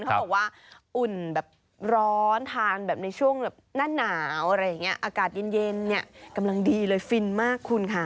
เขาบอกว่าอุ่นแบบร้อนทานแบบในช่วงแบบหน้าหนาวอะไรอย่างนี้อากาศเย็นเนี่ยกำลังดีเลยฟินมากคุณค่ะ